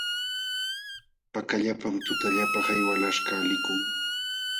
Pakallapam tutallapa hay walaśhkaq likun.